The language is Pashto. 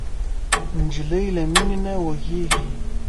نجلۍ له مینې نه وږيږي.